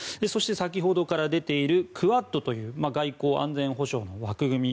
先ほどから出ているクアッドという外交・安全保障の枠組み